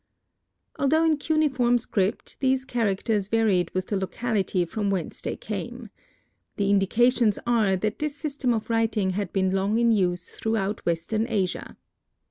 Although in cuneiform script, these characters varied with the locality from whence they came. The indications are that this system of writing had been long in use throughout western Asia.